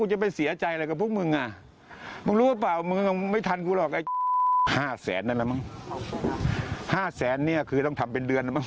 ห้าแสนนั่นแหละมั้งห้าแสนเนี้ยคือต้องทำเป็นเดือนน่ะมั้ง